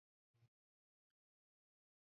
wa kimwili ilhali nyingine ni nadra kusababisha